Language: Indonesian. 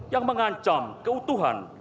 yang mengancam keutuhan